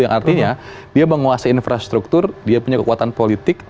yang artinya dia menguasai infrastruktur dia punya kekuatan politik